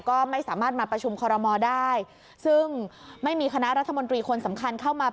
ก็ไม่สามารถมาประชุมคอรมอลได้ซึ่งไม่มีคณะรัฐมนตรีคนสำคัญเข้ามา